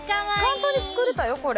簡単に作れたよこれ。